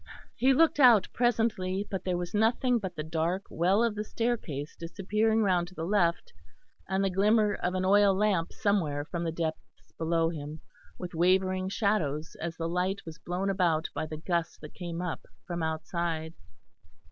He looked out presently, but there was nothing but the dark well of the staircase disappearing round to the left, and the glimmer of an oil lamp somewhere from the depths below him, with wavering shadows as the light was blown about by the gusts that came up from outside.